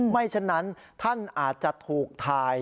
ฉะนั้นท่านอาจจะถูกถ่าย